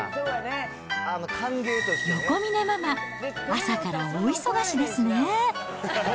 横峯ママ、朝から大忙しですね。